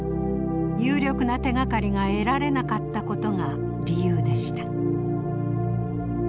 有力な手がかりが得られなかったことが理由でした。